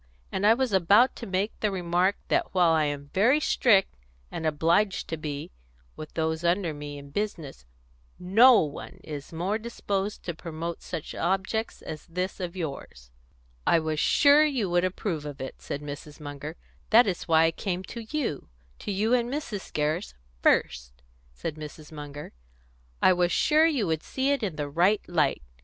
And I was about to make the remark that while I am very strict and obliged to be with those under me in business, no one is more disposed to promote such objects as this of yours." "I was sure you would approve of it," said Mrs. Munger. "That is why I came to you to you and Mrs. Gerrish first," said Mrs. Munger. "I was sure you would see it in the right light."